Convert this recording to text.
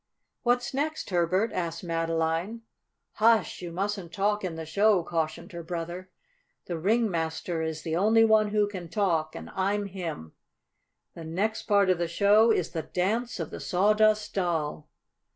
"What's next, Herbert?" asked Madeline. "Hush, you mustn't talk in the show," cautioned her brother. "The ringmaster is the only one who can talk, and I'm him. The next part of the show is the dance of the Sawdust Doll."